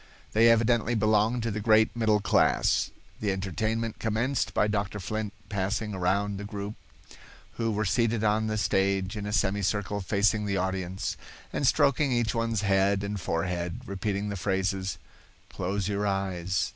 They evidently belonged to the great middle class. The entertainment commenced by Dr. Flint passing around the group, who were seated on the stage in a semicircle facing the audience, and stroking each one's head and forehead, repeating the phrases, "Close your eyes.